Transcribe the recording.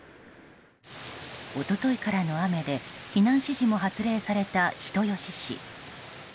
一昨日からの雨で避難指示も発令された人吉市。